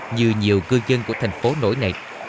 như nhiều cư dân của thành phố nỗi này